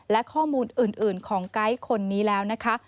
และข้อมูลอื่นของไกด์คนนี้แล้วนะคะ